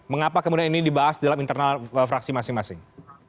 mengapa kemudian ini dibahas dalam internal fraksi masing masing